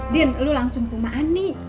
din lu langsung ke rumah ani